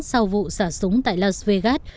sau vụ xả súng tại las vegas